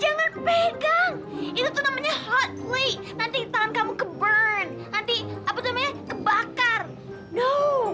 jangan pegang itu tuh namanya hot plate nanti tangan kamu ke burn nanti apa namanya kebakar no